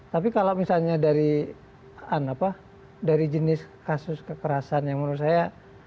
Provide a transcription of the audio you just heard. tapi kalau misalnya dari jenis kasus kekerasan yang menurut saya